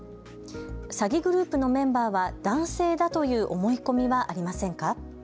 詐欺グループのメンバーは男性だという思い込みはありませんか。